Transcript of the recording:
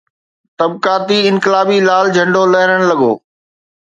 طبقاتي انقلابي لال جھنڊو لھرڻ لڳو